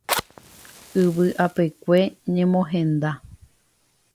Yvy apekue ñemohenda.